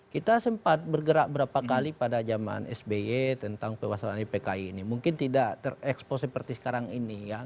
kita sempat bergerak berapa kali pada zaman sby tentang pewasan ipki ini mungkin tidak terekspos seperti sekarang ini ya